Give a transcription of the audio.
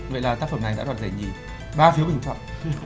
vậy là tác phẩm này đã đoạt giải nhì ba phiếu bình chọn